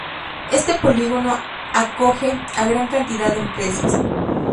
Este polígono acoge a gran cantidad de empresas.